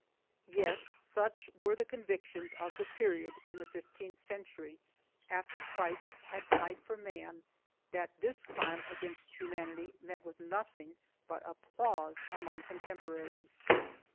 Yet such were the convictions of the period, in the fifteenth century after Christ had died for man, that this crime against humanity met with nothing but applause among contemporaries.